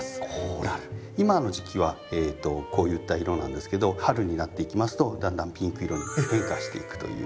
今の時期はこういった色なんですけど春になっていきますとだんだんピンク色に変化していくというような。